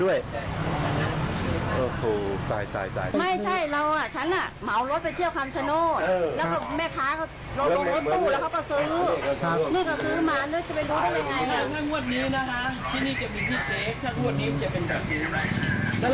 เดี๋ยวผมจะให้นี่จะไปวิววันด้วย